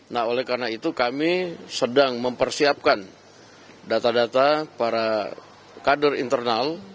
nah oleh karena itu kami sedang mempersiapkan data data para kader internal